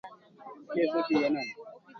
Mtoto wangu amesafiri.